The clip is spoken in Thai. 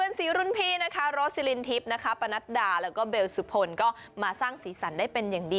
นี่แค่นี้นะเดี๋ยวทำไมหลายที่จังอ่ะ